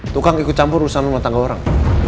tukang ikut campur urusan lu sama tangga orang